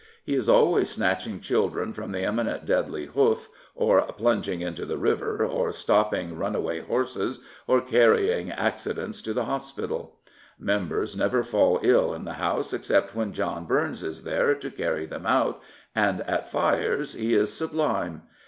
He is always snatching children from the imminent deadly hoof, or plunging into the river, or stopping runaway horses, or carry ing " accidents to the hospital. Members never fall ill in the House except when John Burns is there to carry them out, and at fires he is sublime.